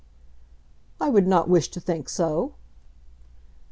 "I would not wish to think so."